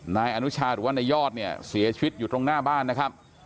นายอนุชาหรือว่านายยอดเนี่ยเสียชีวิตอยู่ตรงหน้าบ้านนะครับ